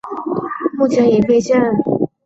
目前已废线。